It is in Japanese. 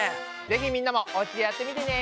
ぜひみんなもおうちでやってみてね。